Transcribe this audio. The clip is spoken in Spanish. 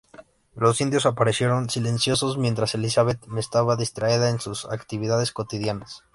Los indios aparecieron silenciosos mientras Elizabeth estaba distraída en sus actividades cotidianas.